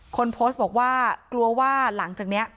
คนโพสต์บอกว่ากลัวว่าหลังจากนี้